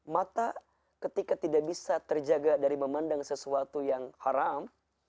mata ketika tidak bisa terjaga dari memandang sesuatu yang haram